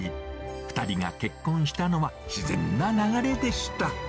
２人が結婚したのは、自然な流れでした。